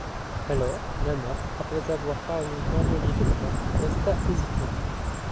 Alors, Nana, après avoir parlé d'envoyer quelqu'un, resta hésitante.